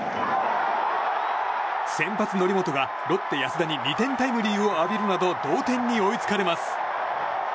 先発、則本がロッテ、安田に２点タイムリーを浴びるなど同点に追いつかれます。